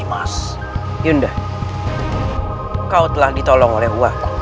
tapi itu tetap saja aneh